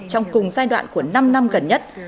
trong cùng giai đoạn của năm năm gần nhất